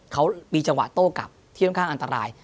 เขามีจังหวะโต้กลับที่ค่อนข้างอันตราย